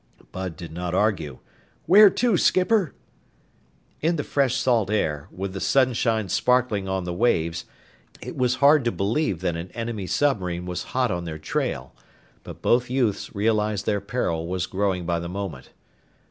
Bud did not argue. "Where to, skipper?" In the fresh salt air, with the sunshine sparkling on the waves, it was hard to believe that an enemy submarine was hot on their trail. But both youths realized their peril was growing by the moment.